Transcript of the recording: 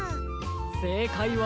せいかいは。